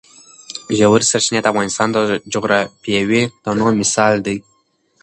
ژورې سرچینې د افغانستان د جغرافیوي تنوع مثال دی.